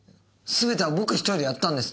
すべては僕１人でやったんです。